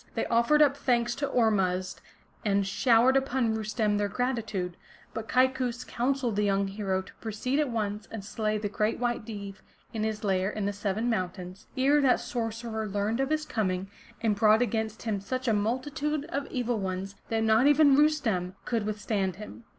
They offered up thanks to Ormuzd and showered upon Rustem their gratitude. But Kaikous counseled the young hero to proceed at once and slay the Great White Deev in his lair in the Seven Mountains, ere that sorcerer learned of his coming and brought against him such a multitude of Evil ones, that not even Rustem could with stand him.